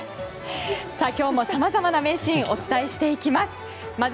今日も様々な名シーンをお伝えしていきます。